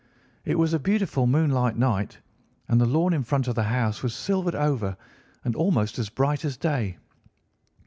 It was a beautiful moonlight night, and the lawn in front of the house was silvered over and almost as bright as day.